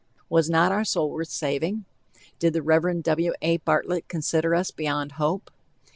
Was not our soul worth saving? Did the Rev. W. A. Bartlett consider us beyond hope?